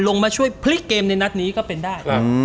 ลงมาช่วยพลิกเกมในนัดนี้ก็เป็นได้